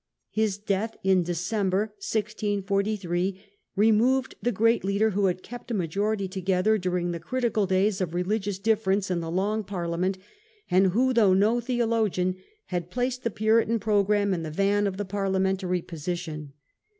His death in December, 1643, removed the great leader who had kept a majority together Death of during the critical days of religious difference Py"» in the Long Parliament, and who, though no theologian, had placed the Puritan programme in the van of the Parliamentary position.